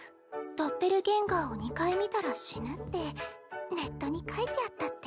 ドッペルゲンガーを２回見たら死ぬってネットに書いてあったって。